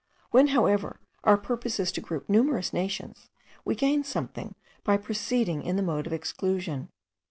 When, however, our purpose is to group numerous nations, we gain something by proceeding in the mode of exclusion.